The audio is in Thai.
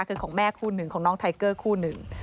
คือของแม่คู่หนึ่งของน้องไทเกอร์คู่หนึ่ง